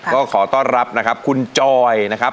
ก็ขอต้อนรับนะครับคุณจอยนะครับ